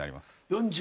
４０。